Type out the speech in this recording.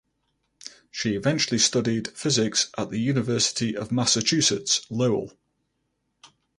She eventually studied physics at the University of Massachusetts Lowell.